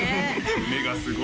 目がすごい